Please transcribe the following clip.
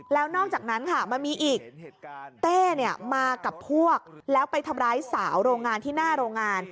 แล้วนอกจากนั้นค่ะมันมีอีกเต้มากับพวกแล้วไปทำร้ายสาวโรงงานที่หน้าโรงงาน